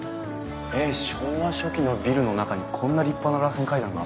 昭和初期のビルの中にこんな立派な螺旋階段が！